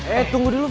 eh tunggu dulu fak